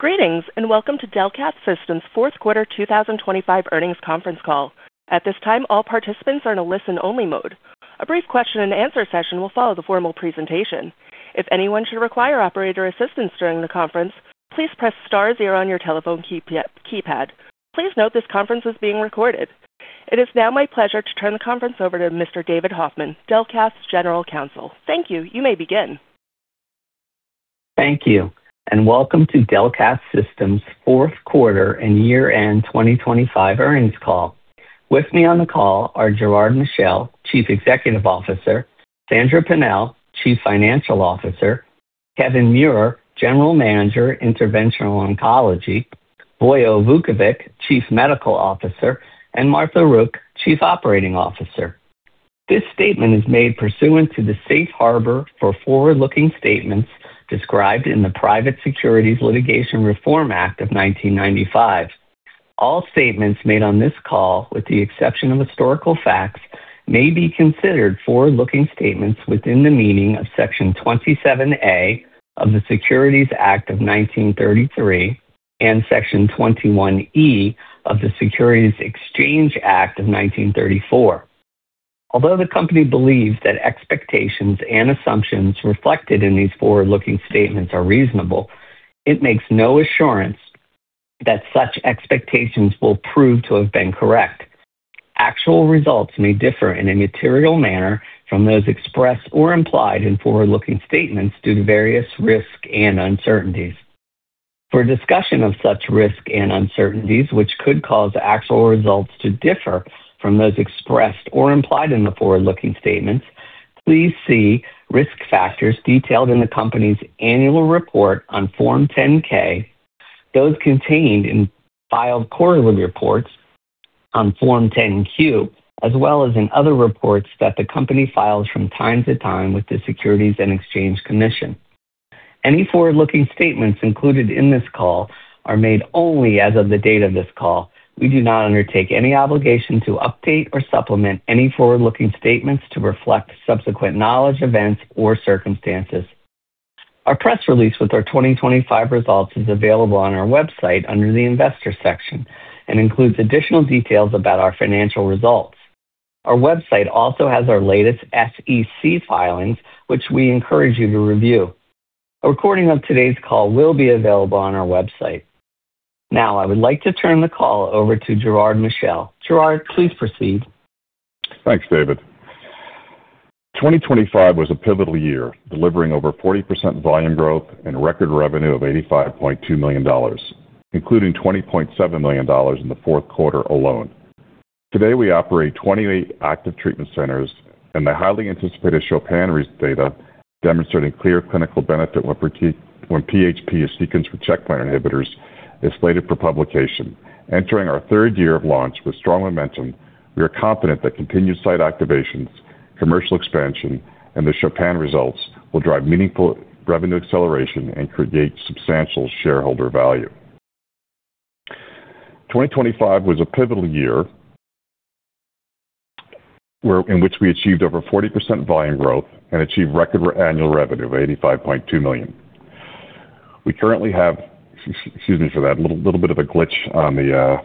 Greetings, welcome to Delcath Systems' fourth quarter 2025 earnings conference call. At this time, all participants are in a listen-only mode. A brief question and answer session will follow the formal presentation. If anyone should require operator assistance during the conference, please press star zero on your telephone key, keypad. Please note this conference is being recorded. It is now my pleasure to turn the conference over to Mr. David Hoffman, Delcath's General Counsel. Thank you. You may begin. Thank you, and welcome to Delcath Systems' fourth quarter and year-end 2025 earnings call. With me on the call are Gerard Michel, Chief Executive Officer; Sandra Pennell, Chief Financial Officer; Kevin Muir, General Manager, Interventional Oncology; Vojislav Vukovic, Chief Medical Officer; and Martha Rook, Chief Operating Officer. This statement is made pursuant to the safe harbor for forward-looking statements described in the Private Securities Litigation Reform Act of 1995. All statements made on this call, with the exception of historical facts, may be considered forward-looking statements within the meaning of Section 27A of the Securities Act of 1933 and Section 21E of the Securities Exchange Act of 1934. Although the company believes that expectations and assumptions reflected in these forward-looking statements are reasonable, it makes no assurance that such expectations will prove to have been correct. Actual results may differ in a material manner from those expressed or implied in forward-looking statements due to various risks and uncertainties. For a discussion of such risks and uncertainties, which could cause actual results to differ from those expressed or implied in the forward-looking statements, please see risk factors detailed in the company's annual report on Form 10-K, those contained in filed quarterly reports on Form 10-Q, as well as in other reports that the company files from time to time with the Securities and Exchange Commission. Any forward-looking statements included in this call are made only as of the date of this call. We do not undertake any obligation to update or supplement any forward-looking statements to reflect subsequent knowledge, events, or circumstances. Our press release with our 2025 results is available on our website under the investor section and includes additional details about our financial results. Our website also has our latest SEC filings, which we encourage you to review. A recording of today's call will be available on our website. Now, I would like to turn the call over to Gerard Michel. Gerard, please proceed. Thanks, David. 2025 was a pivotal year, delivering over 40% volume growth and record revenue of $85.2 million, including $20.7 million in the fourth quarter alone. Today, we operate 28 active treatment centers, and the highly anticipated CHOPIN data, demonstrating clear clinical benefit when PHP is sequenced with checkpoint inhibitors, is slated for publication. Entering our third year of launch with strong momentum, we are confident that continued site activations, commercial expansion, and the CHOPIN results will drive meaningful revenue acceleration and create substantial shareholder value. 2025 was a pivotal year in which we achieved over 40% volume growth and achieved record annual revenue of $85.2 million. Excuse me for that. A little bit of a glitch on the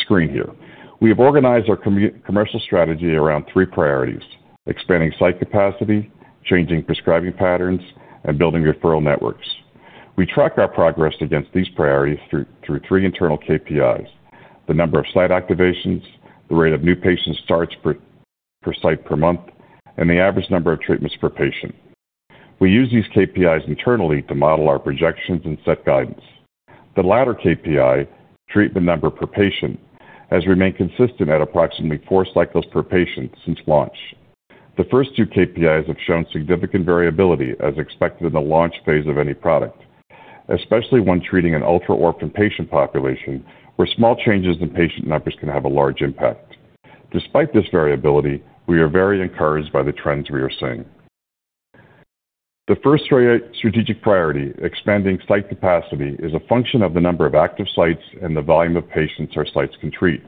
screen here. We have organized our commercial strategy around three priorities: expanding site capacity, changing prescribing patterns, and building referral networks. We track our progress against these priorities through three internal KPIs: the number of site activations, the rate of new patient starts per site per month, and the average number of treatments per patient. We use these KPIs internally to model our projections and set guidance. The latter KPI, treatment number per patient, has remained consistent at approximately four cycles per patient since launch. The first two KPIs have shown significant variability, as expected in the launch phase of any product, especially when treating an ultra-orphan patient population, where small changes in patient numbers can have a large impact. Despite this variability, we are very encouraged by the trends we are seeing. The first strategic priority, expanding site capacity, is a function of the number of active sites and the volume of patients our sites can treat.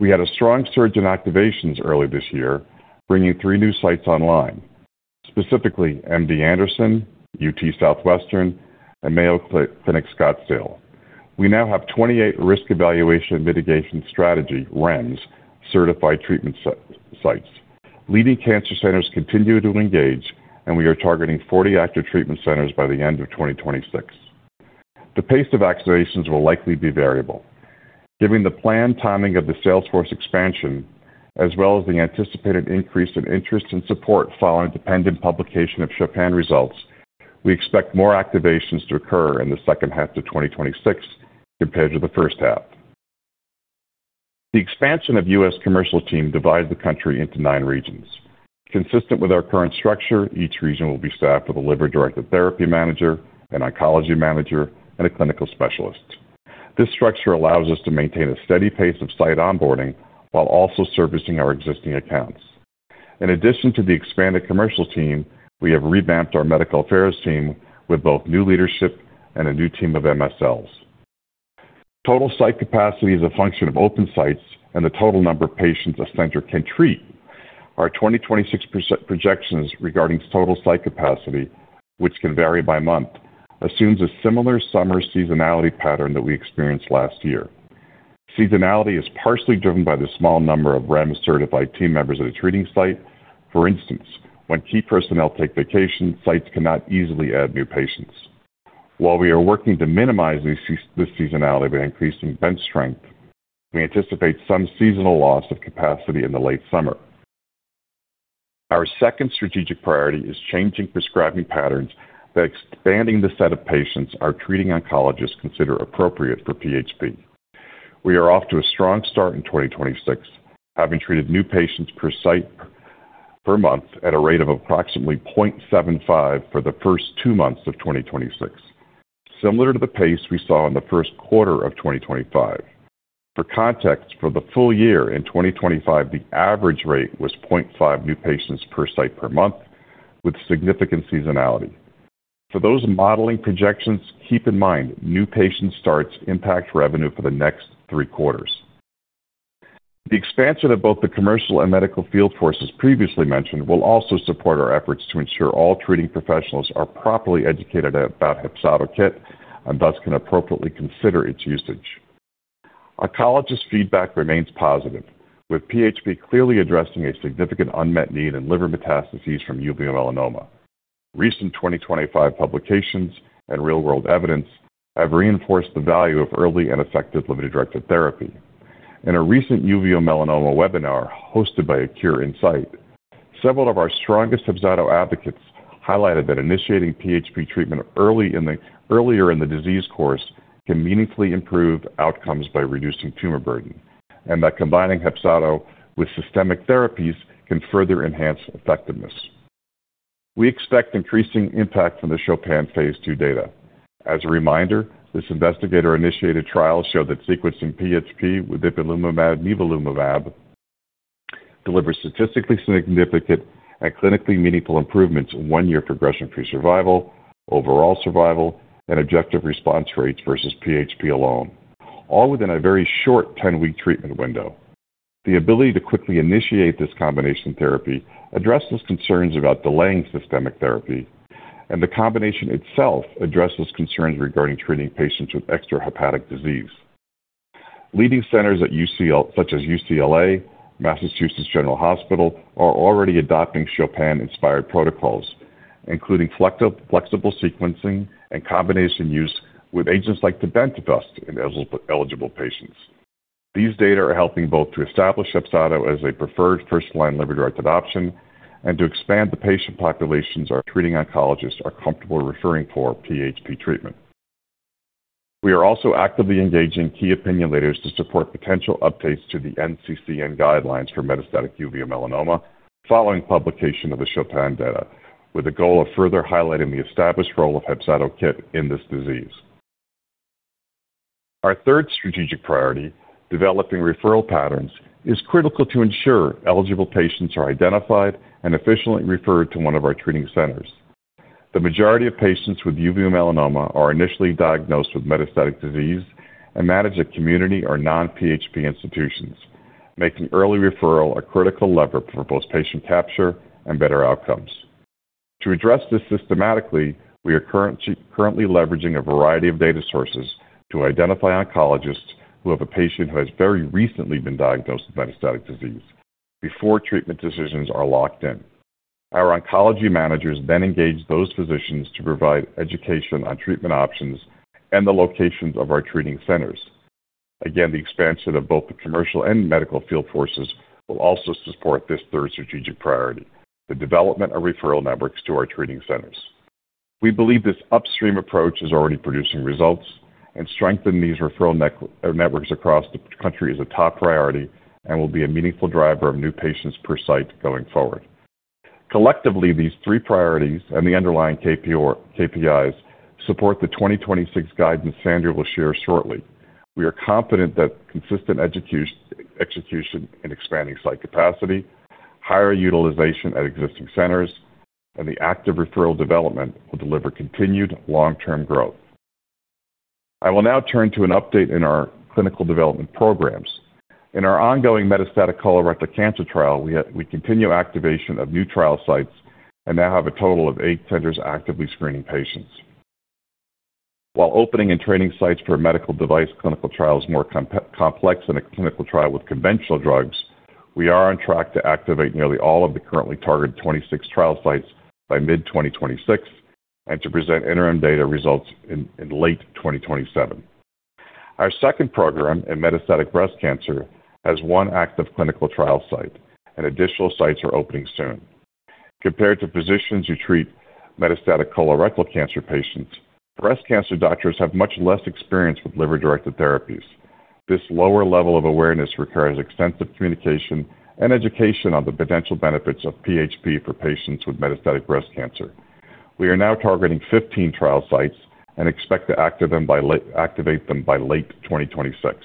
We had a strong surge in activations early this year, bringing 3 new sites online, specifically MD Anderson, UT Southwestern, and Mayo Clinic Scottsdale. We now have 28 Risk Evaluation Mitigation Strategy, REMS, certified treatment sites. Leading cancer centers continue to engage, we are targeting 40 active treatment centers by the end of 2026. The pace of activations will likely be variable. Given the planned timing of the salesforce expansion, as well as the anticipated increase in interest and support following the dependent publication of CHOPIN results, we expect more activations to occur in the second half of 2026 compared to the first half. The expansion of U.S. commercial team divides the country into 9 regions. Consistent with our current structure, each region will be staffed with a liver-directed therapy manager, an oncology manager, and a clinical specialist. This structure allows us to maintain a steady pace of site onboarding while also servicing our existing accounts. In addition to the expanded commercial team, we have revamped our medical affairs team with both new leadership and a new team of MSLs. Total site capacity is a function of open sites and the total number of patients a center can treat. Our 2026 % projections regarding total site capacity, which can vary by month, assumes a similar summer seasonality pattern that we experienced last year. Seasonality is partially driven by the small number of REMS-certified team members at a treating site. For instance, when key personnel take vacation, sites cannot easily add new patients. While we are working to minimize this seasonality by increasing bench strength, we anticipate some seasonal loss of capacity in the late summer. Our second strategic priority is changing prescribing patterns by expanding the set of patients our treating oncologists consider appropriate for PHP. We are off to a strong start in 2026, having treated new patients per site per month at a rate of approximately 0.75 for the first 2 months of 2026, similar to the pace we saw in the first quarter of 2025. For context, for the full year in 2025, the average rate was 0.5 new patients per site per month, with significant seasonality. For those modeling projections, keep in mind, new patient starts impact revenue for the next 3 quarters. The expansion of both the commercial and medical field forces previously mentioned will also support our efforts to ensure all treating professionals are properly educated about HEPZATO KIT, and thus can appropriately consider its usage. Oncologist feedback remains positive, with PHP clearly addressing a significant unmet need in liver metastases from uveal melanoma. Recent 2025 publications and real-world evidence have reinforced the value of early and effective liver-directed therapy. In a recent uveal melanoma webinar hosted by A Cure In Sight, several of our strongest HEPZATO advocates highlighted that initiating PHP treatment earlier in the disease course, can meaningfully improve outcomes by reducing tumor burden, and that combining HEPZATO with systemic therapies can further enhance effectiveness. We expect increasing impact from the CHOPIN phase 2 data. As a reminder, this investigator-initiated trial showed that sequencing PHP with ipilimumab, nivolumab, delivers statistically significant and clinically meaningful improvements in 1-year progression-free survival, overall survival, and Objective Response Rates versus PHP alone, all within a very short 10-week treatment window. The ability to quickly initiate this combination therapy addresses concerns about delaying systemic therapy. The combination itself addresses concerns regarding treating patients with extrahepatic disease. Leading centers at UCL, such as UCLA, Massachusetts General Hospital, are already adopting CHOPIN-inspired protocols, including flexible sequencing and combination use with agents like dabrafenib in eligible patients. These data are helping both to establish HEPZATO as a preferred first-line liver-directed option and to expand the patient populations our treating oncologists are comfortable referring for PHP treatment. We are also actively engaging key opinion leaders to support potential updates to the NCCN guidelines for metastatic uveal melanoma, following publication of the CHOPIN data, with the goal of further highlighting the established role of HEPZATO KIT in this disease. Our third strategic priority, developing referral patterns, is critical to ensure eligible patients are identified and efficiently referred to one of our treating centers. The majority of patients with uveal melanoma are initially diagnosed with metastatic disease and managed at community or non-PHP institutions, making early referral a critical lever for both patient capture and better outcomes. To address this systematically, we are currently leveraging a variety of data sources to identify oncologists who have a patient who has very recently been diagnosed with metastatic disease before treatment decisions are locked in. Our oncology managers engage those physicians to provide education on treatment options and the locations of our treating centers. The expansion of both the commercial and medical field forces will also support this third strategic priority, the development of referral networks to our treating centers. We believe this upstream approach is already producing results, and strengthening these referral networks across the country is a top priority and will be a meaningful driver of new patients per site going forward. Collectively, these three priorities and the underlying KPIs support the 2026 guidance Sandra will share shortly. We are confident that consistent execution in expanding site capacity, higher utilization at existing centers, and the active referral development will deliver continued long-term growth. I will now turn to an update in our clinical development programs. In our ongoing metastatic colorectal cancer trial, we continue activation of new trial sites and now have a total of eight centers actively screening patients. While opening and training sites for a medical device clinical trial is more complex than a clinical trial with conventional drugs, we are on track to activate nearly all of the currently targeted 26 trial sites by mid-2026, and to present interim data results in late 2027. Our second program in metastatic breast cancer, has one active clinical trial site, and additional sites are opening soon. Compared to physicians who treat metastatic colorectal cancer patients, breast cancer doctors have much less experience with liver-directed therapies. This lower level of awareness requires extensive communication and education on the potential benefits of PHP for patients with metastatic breast cancer. We are now targeting 15 trial sites and expect to activate them by late 2026.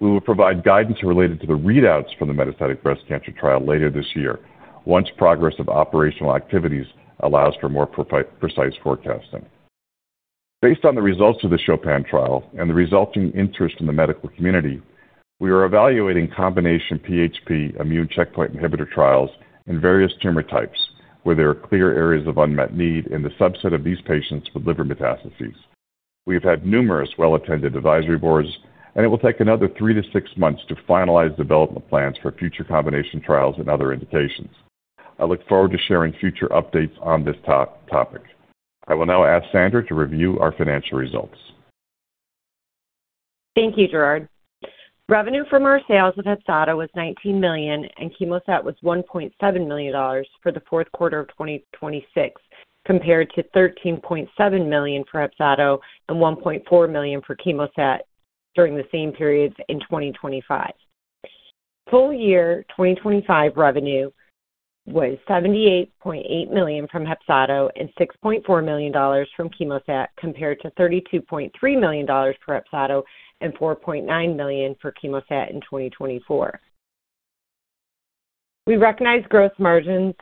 We will provide guidance related to the readouts from the metastatic breast cancer trial later this year, once progress of operational activities allows for more precise forecasting. Based on the results of the CHOPIN trial and the resulting interest in the medical community, we are evaluating combination PHP immune checkpoint inhibitor trials in various tumor types, where there are clear areas of unmet need in the subset of these patients with liver metastases. We've had numerous well-attended advisory boards. It will take another three to six months to finalize development plans for future combination trials and other indications. I look forward to sharing future updates on this topic. I will now ask Sandra to review our financial results. Thank you, Gerard. Revenue from our sales of HEPZATO was $19 million, and CHEMOSAT was $1.7 million for the fourth quarter of 2026, compared to $13.7 million for HEPZATO and $1.4 million for CHEMOSAT during the same periods in 2025. Full year 2025 revenue was $78.8 million from HEPZATO and $6.4 million from CHEMOSAT, compared to $32.3 million for HEPZATO and $4.9 million for CHEMOSAT in 2024. We recognized gross margins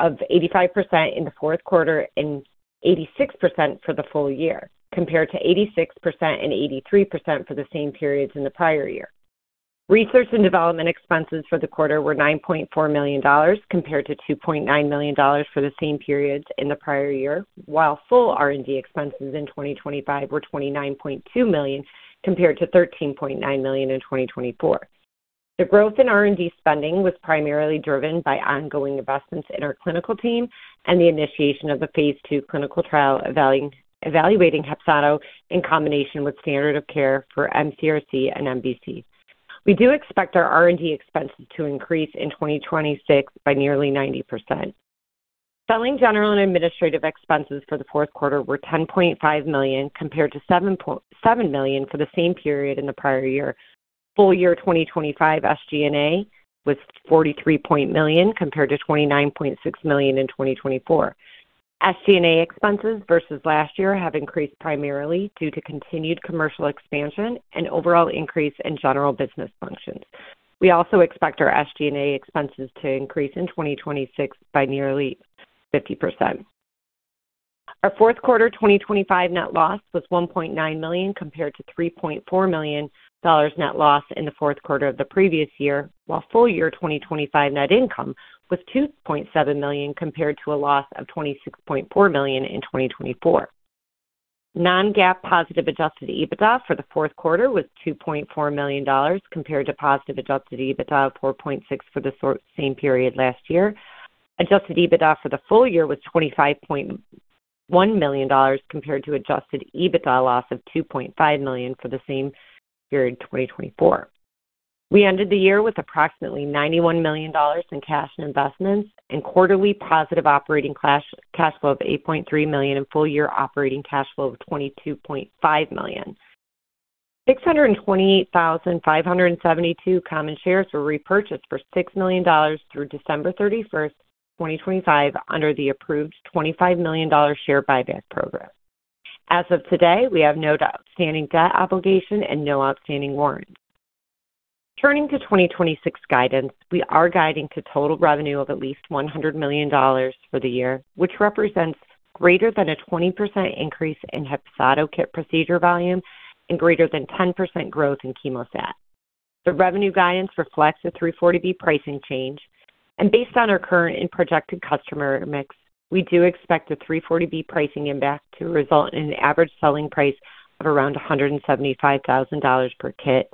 of 85% in the fourth quarter and 86% for the full year, compared to 86% and 83% for the same periods in the prior year. Research and development expenses for the quarter were $9.4 million compared to $2.9 million for the same periods in the prior year, while full R&D expenses in 2025 were $29.2 million, compared to $13.9 million in 2024. The growth in R&D spending was primarily driven by ongoing investments in our clinical team and the initiation of a phase II clinical trial evaluating HEPZATO in combination with standard of care for MCRC and MBC. We do expect our R&D expenses to increase in 2026 by nearly 90%. Selling, general and administrative expenses for the fourth quarter were $10.5 million, compared to $7.7 million for the same period in the prior year. Full year 2025 SG&A was $43.0 million, compared to $29.6 million in 2024. SG&A expenses versus last year have increased primarily due to continued commercial expansion and overall increase in general business functions. We also expect our SG&A expenses to increase in 2026 by nearly 50%. Our fourth quarter 2025 net loss was $1.9 million, compared to $3.4 million net loss in the fourth quarter of the previous year, while full year 2025 net income was $2.7 million, compared to a loss of $26.4 million in 2024. Non-GAAP positive adjusted EBITDA for the fourth quarter was $2.4 million compared to positive adjusted EBITDA of $4.6 million for the same period last year. Adjusted EBITDA for the full year was $25.1 million compared to adjusted EBITDA loss of $2.5 million for the same period in 2024. We ended the year with approximately $91 million in cash and investments, and quarterly positive operating cash flow of $8.3 million and full year operating cash flow of $22.5 million. 628,572 common shares were repurchased for $6 million through December 31st, 2025, under the approved $25 million share buyback program. As of today, we have no outstanding debt obligation and no outstanding warrants. Turning to 2026 guidance, we are guiding to total revenue of at least $100 million for the year, which represents greater than a 20% increase in HEPZATO KIT procedure volume and greater than 10% growth in CHEMOSAT. The revenue guidance reflects a 340B pricing change, and based on our current and projected customer mix, we do expect the 340B pricing impact to result in an average selling price of around $175,000 per kit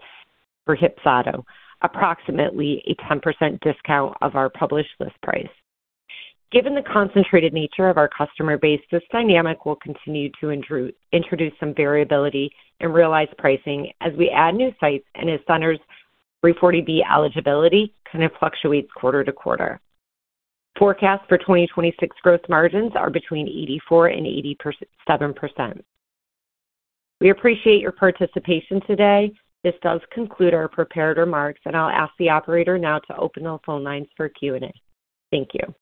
for HEPZATO, approximately a 10% discount of our published list price. Given the concentrated nature of our customer base, this dynamic will continue to introduce some variability in realized pricing as we add new sites and as centers 340B eligibility kind of fluctuates quarter to quarter. Forecast for 2026 growth margins are between 84% and 77%. We appreciate your participation today. This does conclude our prepared remarks, and I'll ask the operator now to open the phone lines for Q&A. Thank you.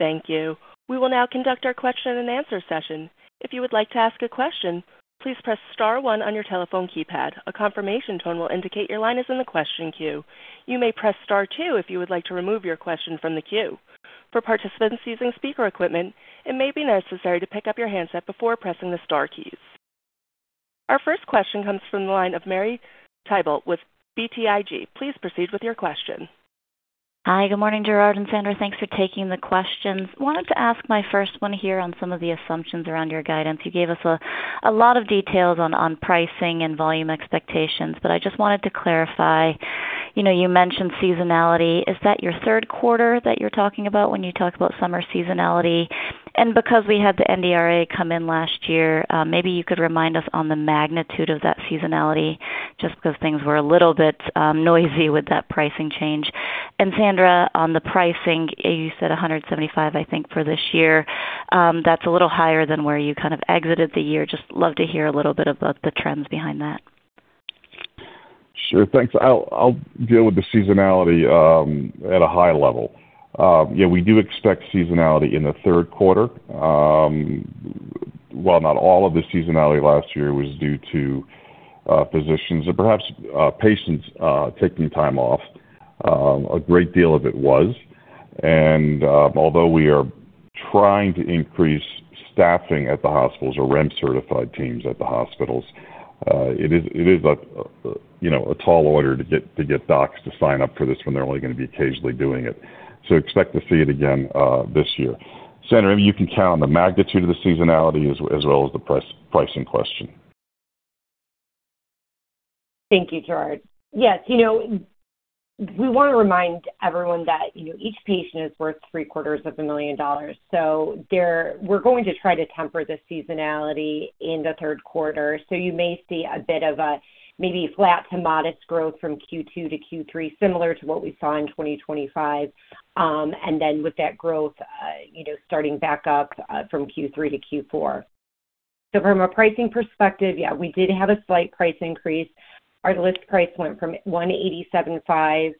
Thank you. We will now conduct our question and answer session. If you would like to ask a question, please press star one on your telephone keypad. A confirmation tone will indicate your line is in the question queue. You may press star two if you would like to remove your question from the queue. For participants using speaker equipment, it may be necessary to pick up your handset before pressing the star keys. Our first question comes from the line of Marie Thibault with BTIG. Please proceed with your question. Hi, good morning, Gerard and Sandra. Thanks for taking the questions. Wanted to ask my first one here on some of the assumptions around your guidance. You gave us a lot of details on pricing and volume expectations, but I just wanted to clarify. You know, you mentioned seasonality. Is that your third quarter that you're talking about when you talk about summer seasonality? Because we had the NDA come in last year, maybe you could remind us on the magnitude of that seasonality, just because things were a little bit noisy with that pricing change. Sandra, on the pricing, you said $175, I think, for this year. That's a little higher than where you kind of exited the year. Just love to hear a little bit about the trends behind that. Sure, thanks. I'll deal with the seasonality at a high level. Yeah, we do expect seasonality in the third quarter. While not all of the seasonality last year was due to physicians or perhaps patients taking time off, a great deal of it was. Although we are trying to increase staffing at the hospitals or REMS-certified teams at the hospitals, it is a, you know, a tall order to get docs to sign up for this when they're only going to be occasionally doing it. Expect to see it again this year. Sandra, maybe you can count on the magnitude of the seasonality as well as the price, pricing question. Thank you, Gerard. You know, we want to remind everyone that, you know, each patient is worth three-quarters of a million dollars. We're going to try to temper the seasonality in the third quarter. You may see a bit of a maybe flat to modest growth from Q2 to Q3, similar to what we saw in 2025. With that growth, you know, starting back up from Q3 to Q4. From a pricing perspective, yeah, we did have a slight price increase. Our list price went from $187.5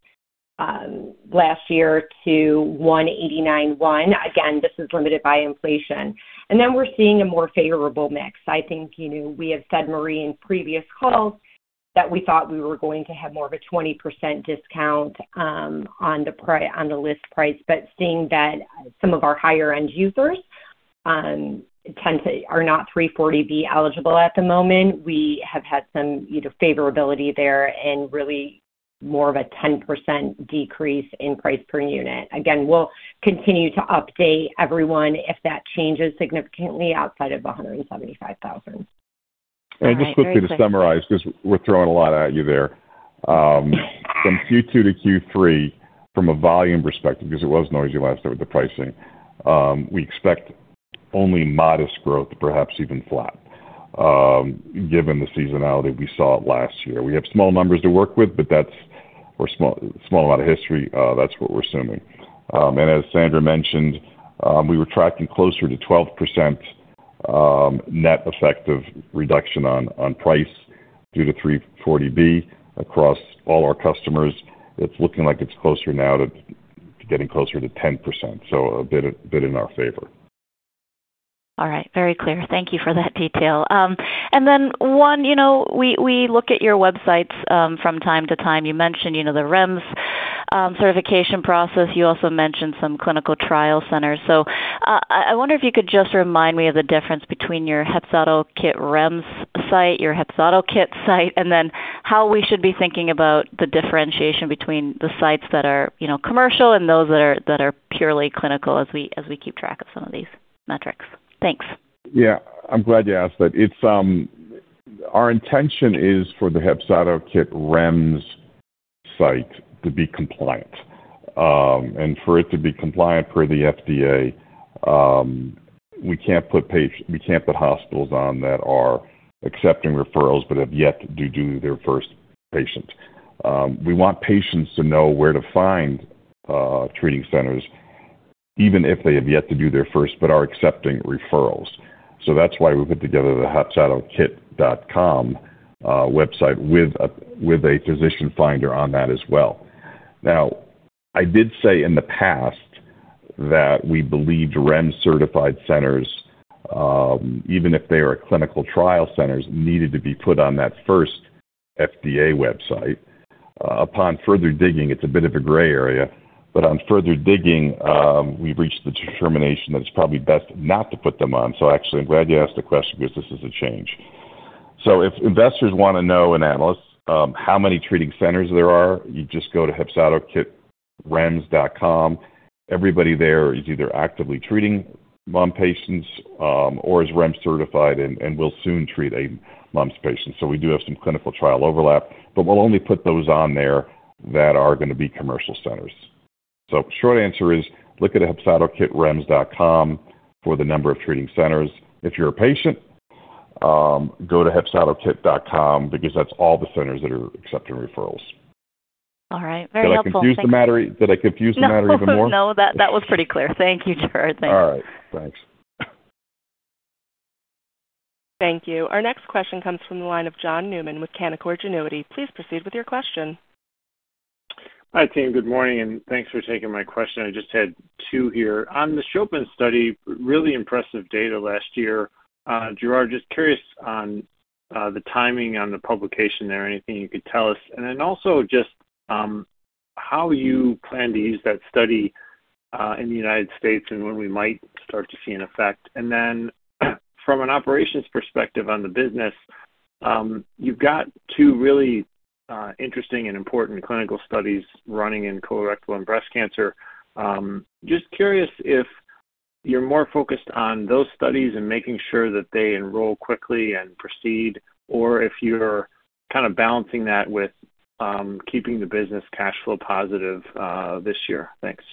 last year to $189.1. Again, this is limited by inflation. We're seeing a more favorable mix. I think, you know, we have said, Marie, in previous calls that we thought we were going to have more of a 20% discount on the list price. Seeing that some of our higher-end users tend to are not 340B eligible at the moment, we have had some, you know, favorability there and really more of a 10% decrease in price per unit. Again, we'll continue to update everyone if that changes significantly outside of $175,000. Just quickly, to summarize, because we're throwing a lot at you there. From Q2 to Q3, from a volume perspective, because it was noisy last year with the pricing, we expect only modest growth, perhaps even flat, given the seasonality we saw last year. We have small numbers to work with, but that's or small amount of history, that's what we're assuming. As Sandra mentioned, we were tracking closer to 12%, net effect of reduction on price due to 340B across all our customers. It's looking like it's closer now to getting closer to 10%, so a bit in our favor. All right. Very clear. Thank you for that detail. 1, you know, we look at your websites from time to time. You mentioned, you know, the REMS certification process. You also mentioned some clinical trial centers. I wonder if you could just remind me of the difference between your HEPZATO KIT REMS site, your HEPZATO KIT site, and then how we should be thinking about the differentiation between the sites that are, you know, commercial and those that are purely clinical as we keep track of some of these metrics. Thanks. Yeah, I'm glad you asked that. It's our intention is for the HEPZATO KIT REMS site to be compliant. For it to be compliant per the FDA, we can't put hospitals on that are accepting referrals, but have yet to do their first patient. We want patients to know where to find treating centers, even if they have yet to do their first but are accepting referrals. That's why we put together the HEPZATOKIT.com website with a physician finder on that as well. I did say in the past that we believed REMS-certified centers, even if they are clinical trial centers, needed to be put on that first FDA website. Upon further digging, it's a bit of a gray area, but on further digging, we've reached the determination that it's probably best not to put them on. Actually, I'm glad you asked the question, because this is a change. If investors want to know, and analysts, how many treating centers there are, you just go to HEPZATOKITREMS.com. Everybody there is either actively treating MUM patients, or is REMS certified and will soon treat a MUM patient. We do have some clinical trial overlap, but we'll only put those on there that are going to be commercial centers. Short answer is, look at the HEPZATOKITREMS.com for the number of treating centers. If you're a patient, go to HEPZATOKIT.com, because that's all the centers that are accepting referrals. All right. Very helpful. Did I confuse the matter? Did I confuse the matter even more? No, that was pretty clear. Thank you, Gerard. Thanks. All right. Thanks. Thank you. Our next question comes from the line of John Newman with Canaccord Genuity. Please proceed with your question. Hi, team. Good morning, and thanks for taking my question. I just had two here. On the CHOPIN study, really impressive data last year. Gerard, just curious on the timing on the publication there, anything you could tell us? Also just how you plan to use that study in the United States and when we might start to see an effect. From an operations perspective on the business, you've got two really interesting and important clinical studies running in colorectal and breast cancer. Just curious if you're more focused on those studies and making sure that they enroll quickly and proceed, or if you're kind of balancing that with keeping the business cash flow positive this year. Thanks.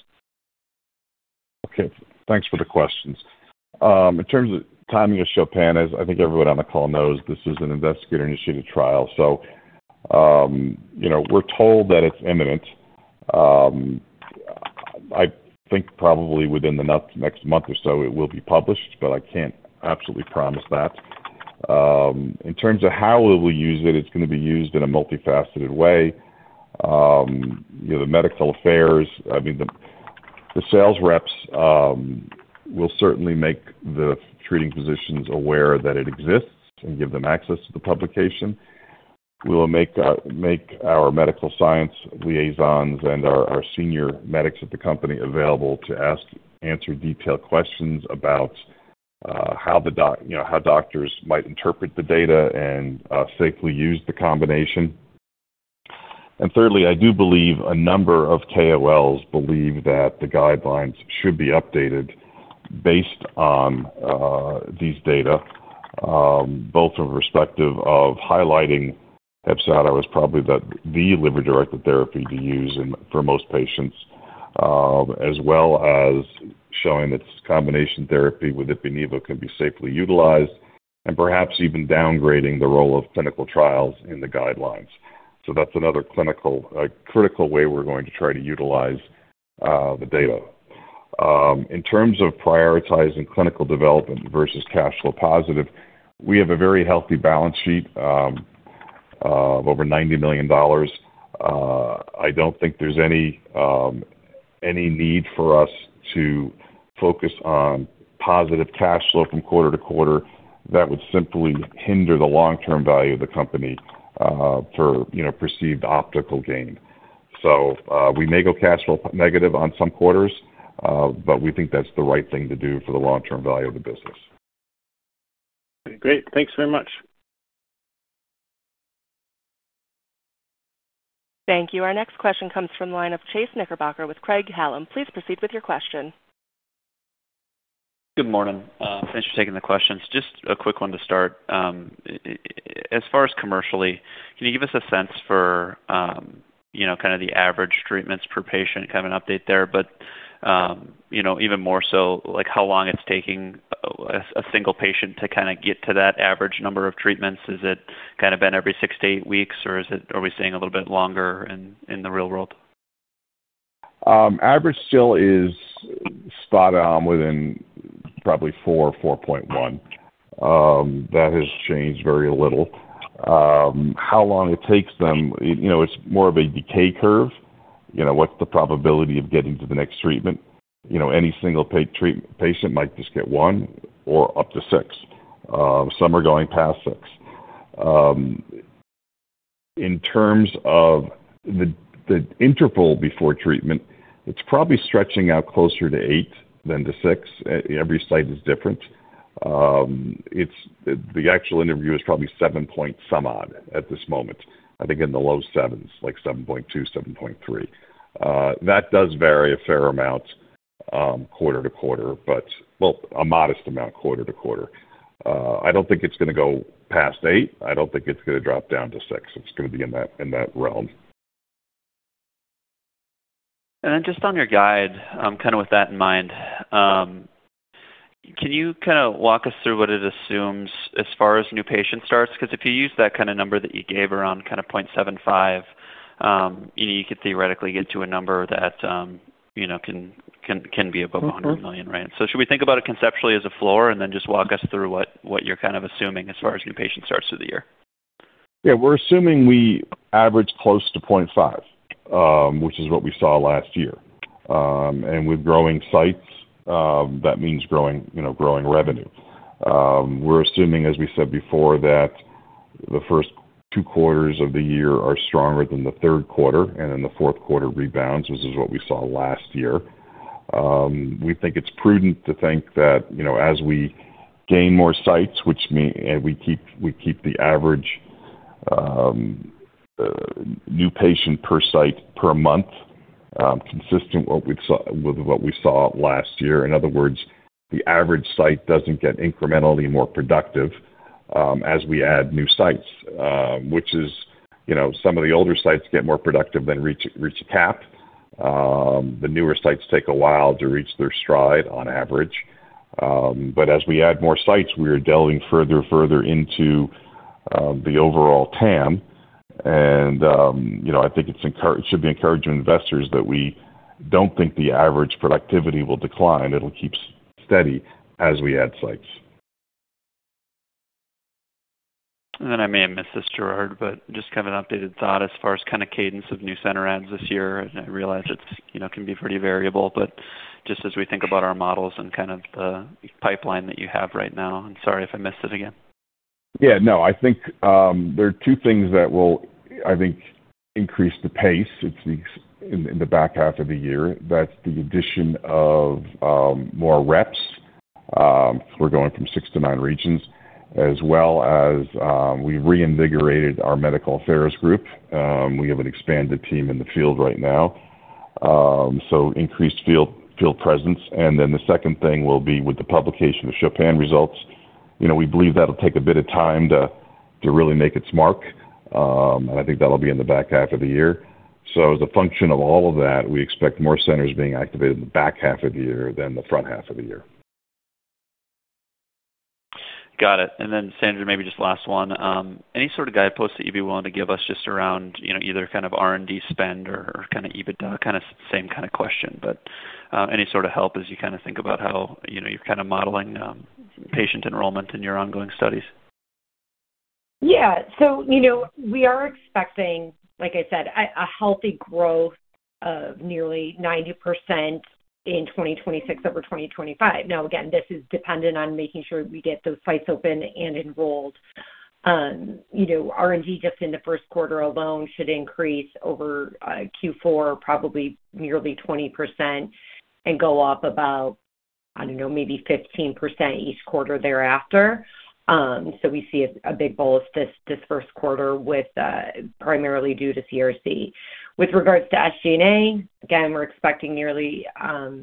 Okay. Thanks for the questions. In terms of timing of CHOPIN, as I think everyone on the call knows, this is an investigator-initiated trial. You know, we're told that it's imminent. I think probably within the next month or so, it will be published, but I can't absolutely promise that. In terms of how we will use it's going to be used in a multifaceted way. You know, the medical affairs, I mean, the sales reps, will certainly make the treating physicians aware that it exists and give them access to the publication. We will make our Medical Science Liaisons and our senior medics at the company available to answer detailed questions about, you know, how doctors might interpret the data and safely use the combination. Thirdly, I do believe a number of KOLs believe that the guidelines should be updated based on these data, both from respective of highlighting HEPZATO as probably the liver-directed therapy to use for most patients, as well as showing that this combination therapy with Ipi/Nivo can be safely utilized and perhaps even downgrading the role of clinical trials in the guidelines. That's another clinical, critical way we're going to try to utilize the data. In terms of prioritizing clinical development versus cash flow positive, we have a very healthy balance sheet of over $90 million. I don't think there's any need for us to focus on positive cash flow from quarter to quarter. That would simply hinder the long-term value of the company for, you know, perceived optical gain. We may go cash flow negative on some quarters, but we think that's the right thing to do for the long-term value of the business. Great. Thanks very much. Thank you. Our next question comes from the line of Chase Knickerbocker with Craig-Hallum. Please proceed with your question. Good morning. Thanks for taking the questions. Just a quick one to start. As far as commercially, can you give us a sense for, you know, kind of the average treatments per patient, kind of an update there? You know, even more so, like, how long it's taking a single patient to kind of get to that average number of treatments. Is it kind of been every 6 to 8 weeks, or are we seeing a little bit longer in the real world? Average still is spot on within probably 4.1. That has changed very little. How long it takes them, you know, it's more of a decay curve. You know, what's the probability of getting to the next treatment? You know, any single paid patient might just get 1 or up to 6. Some are going past 6. In terms of the interval before treatment, it's probably stretching out closer to 8 than to 6. Every site is different. The actual interview is probably 7 point some odd at this moment. I think in the low 7s, like 7.2, 7.3. That does vary a fair amount, quarter to quarter, but, well, a modest amount quarter to quarter. I don't think it's gonna go past 8. I don't think it's gonna drop down to six. It's gonna be in that, in that realm. Just on your guide, kind of with that in mind, can you kind of walk us through what it assumes as far as new patient starts? Because if you use that kind of number that you gave around kind of 0.75, you could theoretically get to a number that, you know, can, can be above $100 million, right? Mm-hmm. Should we think about it conceptually as a floor, and then just walk us through what you're kind of assuming as far as new patient starts for the year? Yeah. We're assuming we average close to 0.5, which is what we saw last year. With growing sites, that means growing, you know, growing revenue. We're assuming, as we said before, that the first two quarters of the year are stronger than the third quarter, the fourth quarter rebounds, which is what we saw last year. We think it's prudent to think that, you know, as we gain more sites, we keep the average new patient per site per month consistent with what we saw last year. In other words, the average site doesn't get incrementally more productive as we add new sites, which is, you know, some of the older sites get more productive, reach a cap. The newer sites take a while to reach their stride on average. As we add more sites, we are delving further and further into the overall TAM. You know, I think it should be encouraging to investors that we don't think the average productivity will decline. It'll keep steady as we add sites. I may have missed this, Gerard, but just kind of an updated thought as far as kind of cadence of new center adds this year. I realize it's, you know, can be pretty variable, but just as we think about our models and kind of the pipeline that you have right now, and sorry if I missed it again. Yeah, no, I think, there are two things that will, I think, increase the pace. It's in the back half of the year. That's the addition of more reps. We're going from 6 to 9 regions, as well as we reinvigorated our medical affairs group. We have an expanded team in the field right now. So increased field presence. Then the second thing will be with the publication of CHOPIN results. You know, we believe that'll take a bit of time to really make its mark. And I think that'll be in the back half of the year. As a function of all of that, we expect more centers being activated in the back half of the year than the front half of the year. Got it. Sandra, maybe just last one. Any sort of guideposts that you'd be willing to give us just around, you know, either kind of R&D spend or kind of EBITDA, kind of same kind of question, but any sort of help as you kind of think about how, you know, you're kind of modeling patient enrollment in your ongoing studies? Yeah. You know, we are expecting, like I said, a healthy growth of nearly 90% in 2026 over 2025. Again, this is dependent on making sure we get those sites open and enrolled. You know, R&D just in the first quarter alone should increase over Q4, probably nearly 20% and go up about, I don't know, maybe 15% each quarter thereafter. We see a big bolus this first quarter with primarily due to CRC. With regards to SG&A, again, we're expecting nearly 50%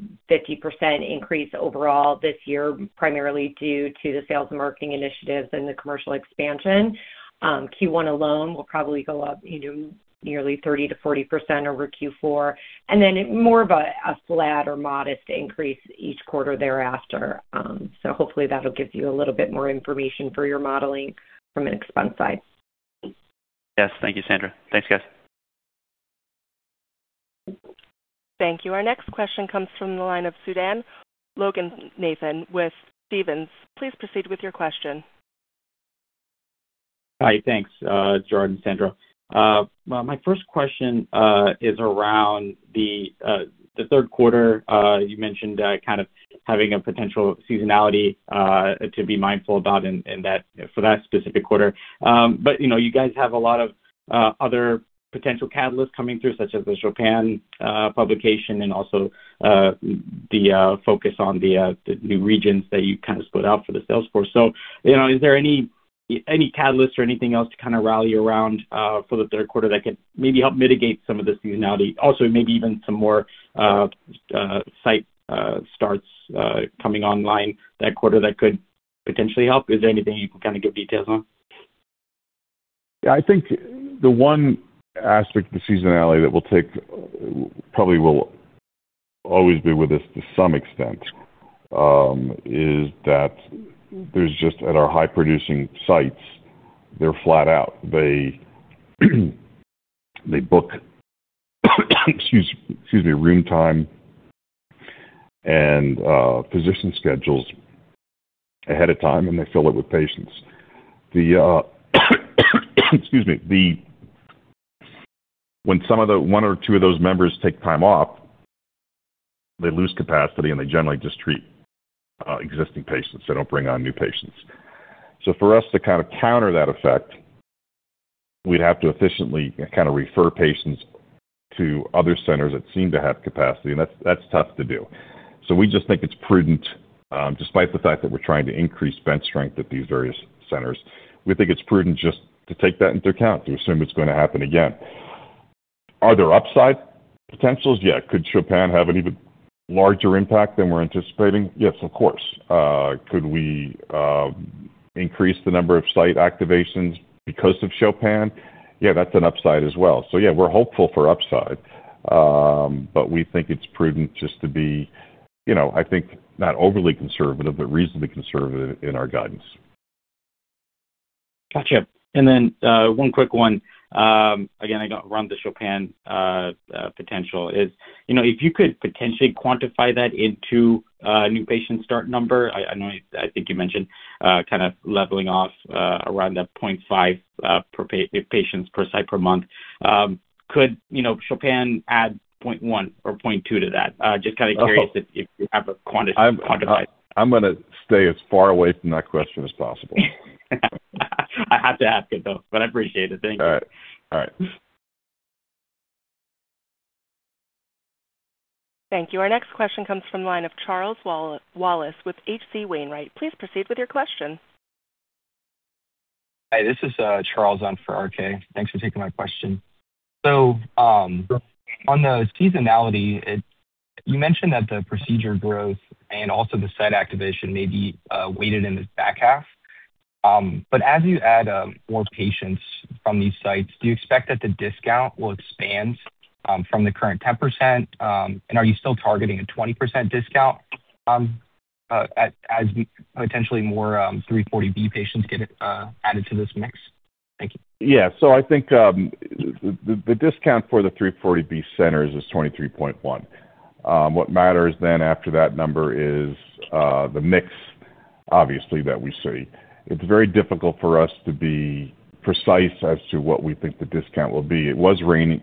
increase overall this year, primarily due to the sales and marketing initiatives and the commercial expansion. Q1 alone will probably go up, you know, nearly 30%-40% over Q4, and then more of a flat or modest increase each quarter thereafter. Hopefully that'll give you a little bit more information for your modeling from an expense side. Yes. Thank you, Sandra. Thanks, guys. Thank you. Our next question comes from the line of Sudan Loganathan with Stephens. Please proceed with your question. Hi, thanks, Gerard, Sandra. My first question is around the third quarter. You mentioned kind of having a potential seasonality to be mindful about for that specific quarter. But, you know, you guys have a lot of other potential catalysts coming through, such as the CHOPIN publication and also the focus on the new regions that you kind of split out for the sales force. You know, is there any catalysts or anything else to kind of rally around for the third quarter that could maybe help mitigate some of the seasonality? Maybe even some more site starts coming online that quarter that could potentially help? Is there anything you can kind of give details on? I think the one aspect of the seasonality that will take, probably will always be with us to some extent, is that there's just at our high-producing sites, they're flat out. They, they book, excuse me, room time and physician schedules ahead of time, and they fill it with patients. The excuse me. When one or two of those members take time off, they lose capacity, and they generally just treat existing patients. They don't bring on new patients. For us to kind of counter that effect, we'd have to efficiently kind of refer patients to other centers that seem to have capacity, and that's tough to do. We just think it's prudent, despite the fact that we're trying to increase bench strength at these various centers, we think it's prudent just to take that into account, to assume it's going to happen again. Are there upside potentials? Yeah. Could CHOPIN have an even larger impact than we're anticipating? Yes, of course. Could we increase the number of site activations because of CHOPIN? Yeah, that's an upside as well. Yeah, we're hopeful for upside, but we think it's prudent just to be, you know, I think, not overly conservative, but reasonably conservative in our guidance. Gotcha. one quick one. around the CHOPIN potential is, you know, if you could potentially quantify that into a new patient start number, I know, I think you mentioned kind of leveling off around that 0.5 patients per site per month. could, you know, CHOPIN add 0.1 or 0.2 to that? just kind of curious if you have a quantified. I'm gonna stay as far away from that question as possible. I have to ask it, though, but I appreciate it. Thank you. All right. All right. Thank you. Our next question comes from the line of Charles Wallace, with H.C. Wainwright. Please proceed with your question. Hi, this is Charles on for RK. Thanks for taking my question. On the seasonality, you mentioned that the procedure growth and also the site activation may be weighted in the back half. As you add more patients from these sites, do you expect that the discount will expand from the current 10%? Are you still targeting a 20% discount as potentially more 340B patients get added to this mix? Thank you. I think, the discount for the 340B centers is 23.1. What matters after that number is, the mix, obviously, that we see. It's very difficult for us to be precise as to what we think the discount will be. It was running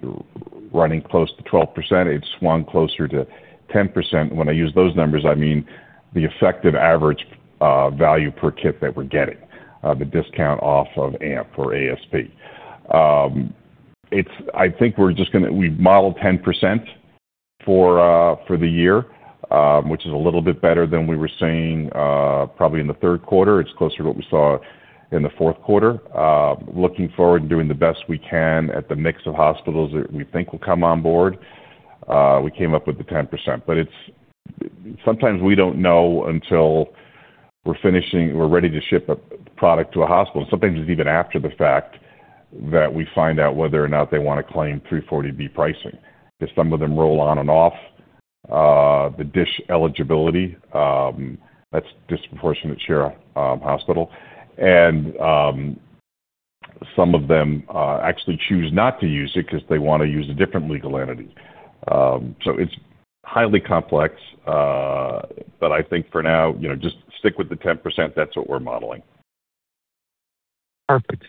close to 12%. It swung closer to 10%. When I use those numbers, I mean, the effective average, value per kit that we're getting, the discount off of AMP or ASP. I think we've modeled 10% for the year, which is a little bit better than we were seeing, probably in the third quarter. It's closer to what we saw in the fourth quarter. Looking forward to doing the best we can at the mix of hospitals that we think will come on board, we came up with the 10%, but sometimes we don't know until we're finishing, we're ready to ship a product to a hospital. Sometimes it's even after the fact that we find out whether or not they want to claim 340B pricing, because some of them roll on and off. The DSH eligibility, that's Disproportionate Share Hospital. Some of them actually choose not to use it because they want to use a different legal entity. It's highly complex. I think for now, you know, just stick with the 10%. That's what we're modeling. Perfect.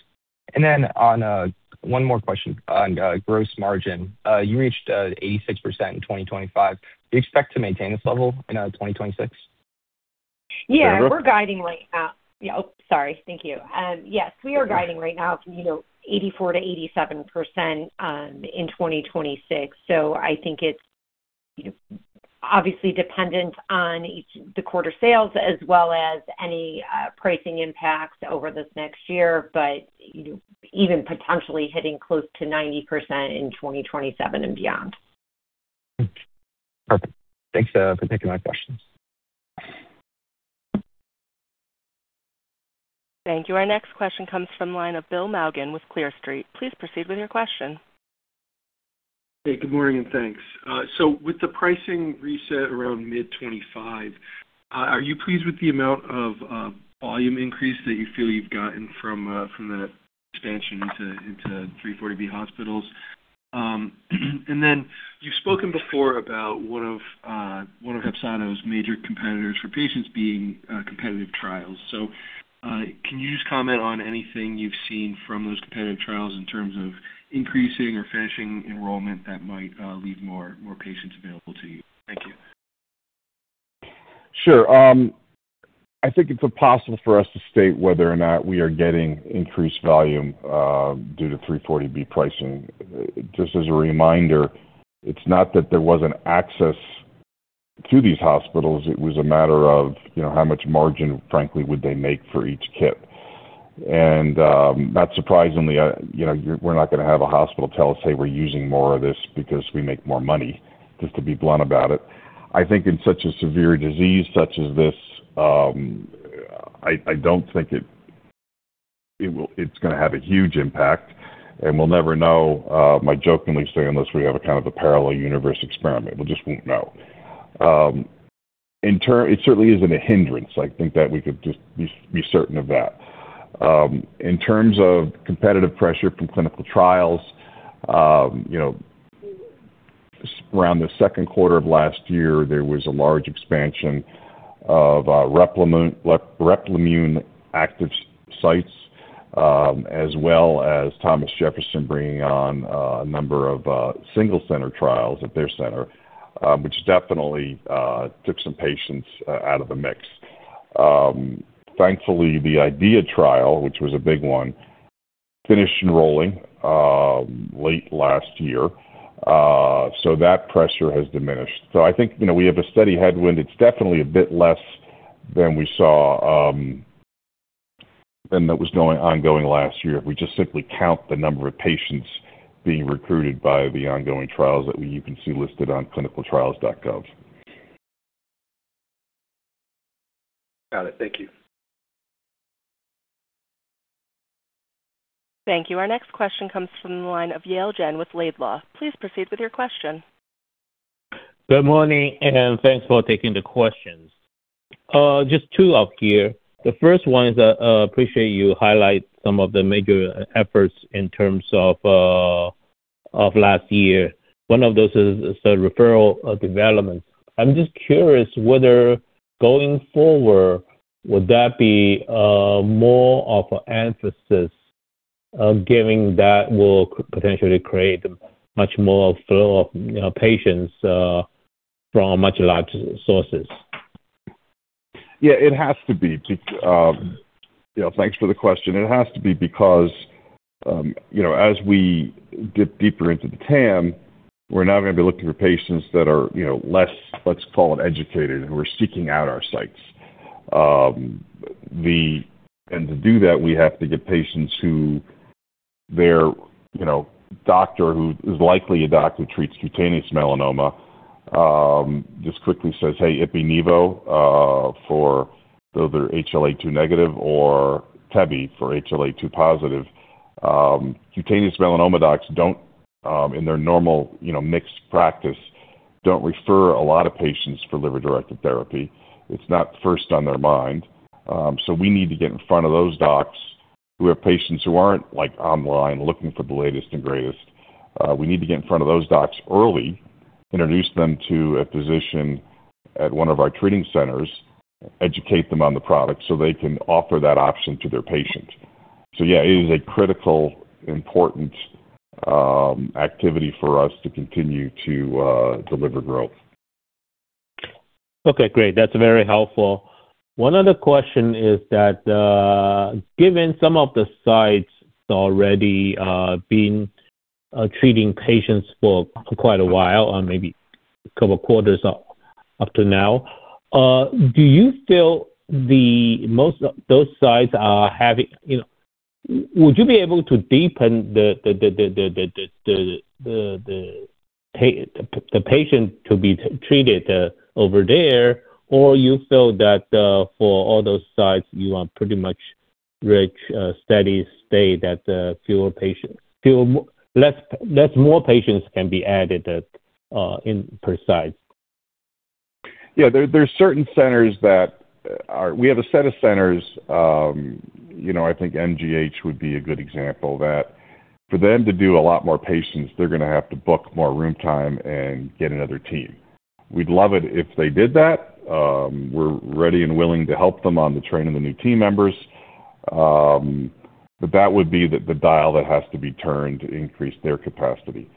Then on, one more question on gross margin. You reached 86% in 2025. Do you expect to maintain this level in 2026? We're guiding right now. Yeah. Oh, sorry. Thank you. Yes, we are guiding right now from, you know, 84%-87%, in 2026. I think it's, you know, obviously dependent on each, the quarter sales as well as any pricing impacts over this next year, but, you know, even potentially hitting close to 90% in 2027 and beyond. Perfect. Thanks, for taking my questions. Thank you. Our next question comes from the line of Bill Maughan with Clear Street. Please proceed with your question. Hey, good morning, and thanks. With the pricing reset around mid-2025, are you pleased with the amount of volume increase that you feel you've gotten from that expansion into 340B hospitals? You've spoken before about one of Delcath's major competitors for patients being competitive trials. Can you just comment on anything you've seen from those competitive trials in terms of increasing or finishing enrollment that might leave more patients available to you? Thank you. Sure. I think it's impossible for us to state whether or not we are getting increased volume due to 340B pricing. Just as a reminder, it's not that there wasn't access to these hospitals, it was a matter of, you know, how much margin, frankly, would they make for each kit? Not surprisingly, you know, we're not going to have a hospital tell us, "Hey, we're using more of this because we make more money," just to be blunt about it. I think in such a severe disease such as this, I don't think it's gonna have a huge impact, and we'll never know, jokingly say, unless we have a kind of a parallel universe experiment, we just won't know. It certainly isn't a hindrance. I think that we could just be certain of that. In terms of competitive pressure from clinical trials, you know, around the 2nd quarter of last year, there was a large expansion of Replimune active sites, as well as Thomas Jefferson bringing on a number of single center trials at their center, which definitely took some patients out of the mix. Thankfully, the IDEA trial, which was a big one, finished enrolling late last year. That pressure has diminished. I think, you know, we have a steady headwind. It's definitely a bit less than we saw than that was going ongoing last year. If we just simply count the number of patients being recruited by the ongoing trials that you can see listed on ClinicalTrials.gov. Got it. Thank you. Thank you. Our next question comes from the line of Yale Jen with Laidlaw. Please proceed with your question. Good morning, thanks for taking the questions. Just 2 out here. The first one is, I appreciate you highlight some of the major efforts in terms of last year. One of those is the referral, development. I'm just curious whether, going forward, would that be, more of an emphasis of giving that will potentially create much more flow of, you know, patients, from much large sources? Yeah, it has to be. You know, thanks for the question. It has to be because, you know, as we get deeper into the TAM, we're now going to be looking for patients that are, you know, less, let's call it, educated, who are seeking out our sites. To do that, we have to get patients who their, you know, doctor, who is likely a doctor who treats cutaneous melanoma, just quickly says, "Hey, Ipi/nevo, for those who are HLA-A2 negative or tebi for HLA-A2 positive." Cutaneous melanoma docs don't, in their normal, you know, mixed practice, don't refer a lot of patients for liver-directed therapy. It's not first on their mind. We need to get in front of those docs who have patients who aren't, like, online, looking for the latest and greatest. We need to get in front of those docs early, introduce them to a physician at one of our treating centers, educate them on the product, so they can offer that option to their patient. Yeah, it is a critical, important, activity for us to continue to deliver growth. Okay, great. That's very helpful. One other question is that, given some of the sites already been treating patients for quite a while, or maybe a couple quarters up to now, you know, would you be able to deepen the patient to be treated over there? Or you feel that, for all those sites, you are pretty much rich, studies state that, fewer patients, more, less more patients can be added at, in per site? Yeah, there are certain centers that are... We have a set of centers, you know, I think MGH would be a good example, that for them to do a lot more patients, they're going to have to book more room time and get another team. We'd love it if they did that. We're ready and willing to help them on the training the new team members. That would be the dial that has to be turned to increase their capacity.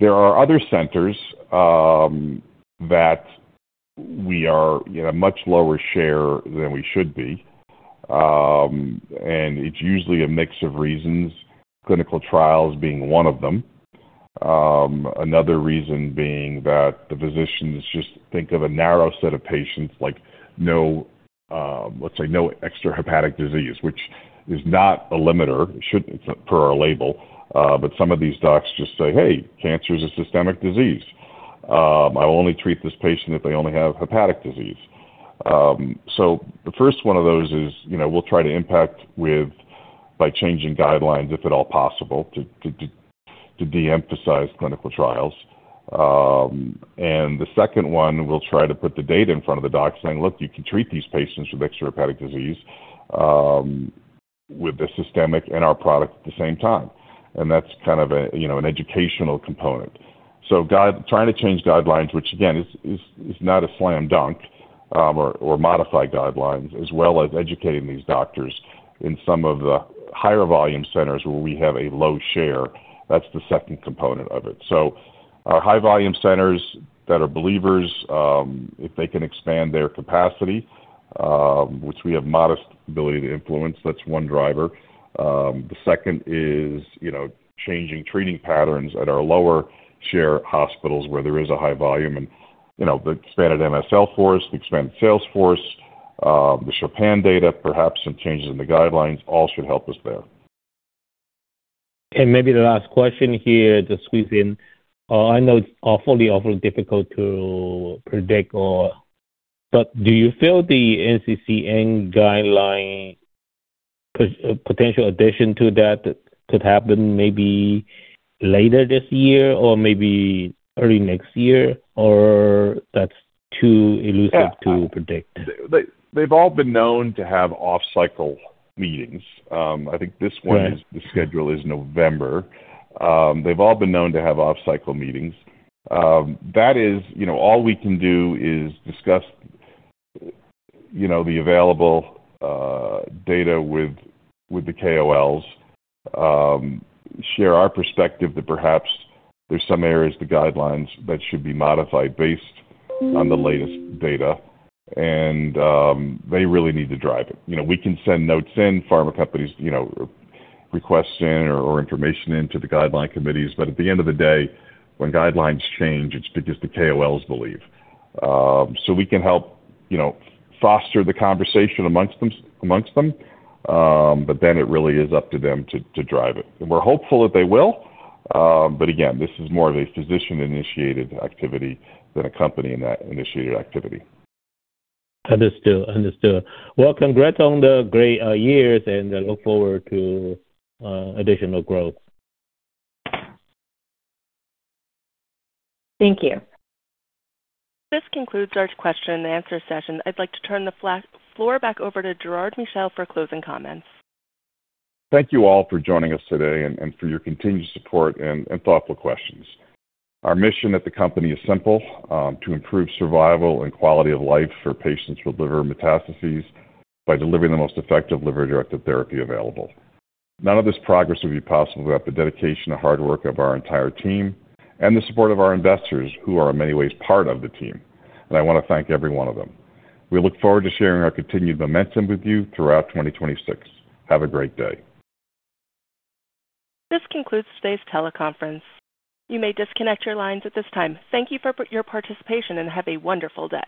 There are other centers, that we are, you know, much lower share than we should be. It's usually a mix of reasons, clinical trials being one of them. Another reason being that the physicians just think of a narrow set of patients like, no, let's say no extrahepatic disease, which is not a limiter, shouldn't per our label. Some of these docs just say, "Hey, cancer is a systemic disease. I only treat this patient if they only have hepatic disease." The first one of those is, you know, we'll try to impact with by changing guidelines, if at all possible, to de-emphasize clinical trials. The second one, we'll try to put the data in front of the doc saying, "Look, you can treat these patients with extrahepatic disease, with the systemic and our product at the same time." That's kind of a, you know, an educational component. Trying to change guidelines, which again, is not a slam dunk, or modify guidelines as well as educating these doctors in some of the higher volume centers where we have a low share. That's the second component of it. Our high volume centers that are believers, if they can expand their capacity, which we have modest ability to influence, that's one driver. The second is, you know, changing treating patterns at our lower share hospitals where there is a high volume and, you know, the expanded MSL force, the expanded sales force, the CHOPIN data, perhaps some changes in the guidelines, all should help us there. Maybe the last question here, just squeeze in. I know it's awfully difficult to predict. Do you feel the NCCN guideline, potentially addition to that could happen maybe later this year or maybe early next year, or that's too elusive to predict? They've all been known to have off-cycle meetings. I think. Right. Is the schedule is November. They've all been known to have off-cycle meetings. That is, you know, all we can do is discuss, you know, the available data with the KOLs. Share our perspective that perhaps there's some areas of the guidelines that should be modified based on the latest data, and they really need to drive it. You know, we can send notes in, pharma companies, you know, requests in or information into the guideline committees, but at the end of the day, when guidelines change, it's because the KOLs believe. We can help, you know, foster the conversation amongst them. It really is up to them to drive it. We're hopeful that they will, but again, this is more of a physician-initiated activity than a company-initiated activity. Understood. Well, congrats on the great years, and I look forward to additional growth. Thank you. This concludes our question and answer session. I'd like to turn the floor back over to Gerard Michel for closing comments. Thank you all for joining us today and for your continued support and thoughtful questions. Our mission at the company is simple: to improve survival and quality of life for patients with liver metastases by delivering the most effective liver-directed therapy available. None of this progress would be possible without the dedication and hard work of our entire team and the support of our investors, who are in many ways part of the team, and I want to thank every one of them. We look forward to sharing our continued momentum with you throughout 2026. Have a great day. This concludes today's teleconference. You may disconnect your lines at this time. Thank you for your participation, and have a wonderful day.